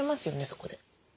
そこで。